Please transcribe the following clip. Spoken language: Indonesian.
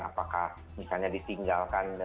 apakah misalnya ditinggalkan